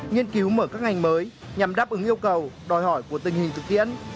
nghiên cứu mở các ngành mới nhằm đáp ứng yêu cầu đòi hỏi của tình hình thực tiễn